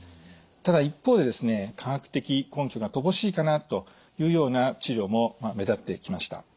ただ一方でですね科学的根拠が乏しいかなというような治療も目立ってきました。